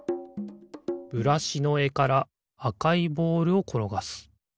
ブラシのえからあかいボールをころがす。